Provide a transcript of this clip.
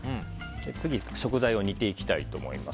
次に食材を煮ていきたいと思います。